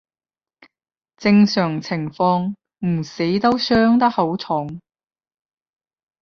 正常情況唔死都傷得好重